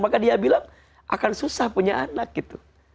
maka dia bilang akan susah punya anak gitu